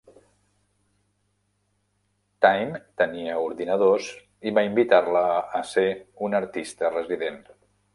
Time tenia ordinadors, i va invitar-la a ser una artista resident.